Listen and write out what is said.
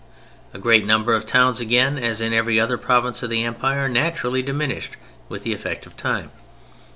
A great number of towns again (as in every other province of the Empire) naturally diminished with the effect of time.